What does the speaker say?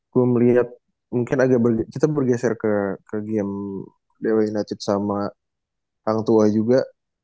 gue melihat mungkin agak kita bergeser ke game dwi nacit sama hang tua juga